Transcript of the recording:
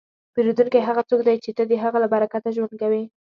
پیرودونکی هغه څوک دی چې ته د هغه له برکته ژوند کوې.